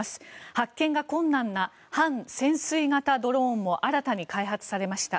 発見が困難な半潜水型ドローンも新たに開発されました。